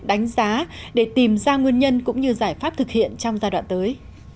đánh giá để tìm ra nguyên nhân cũng như giải pháp thực hiện trong giai đoạn tới